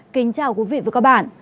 kính chào quý vị và các bạn